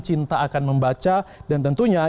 cinta akan membaca dan tentunya